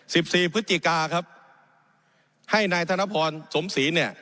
สิบสี่พฤศจิกาครับให้นายธนพรสมศรีเนี่ย